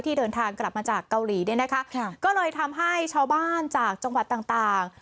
เดินทางกลับมาจากเกาหลีเนี่ยนะคะก็เลยทำให้ชาวบ้านจากจังหวัดต่างต่าง